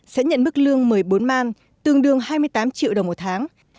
sẽ nhận mức lương một mươi bốn man tương đương hai mươi tám triệu đồng một tháng